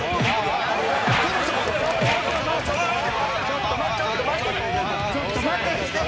ちょっと待て！